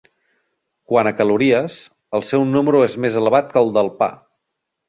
Quant a calories, el seu número és més elevat que el del pa.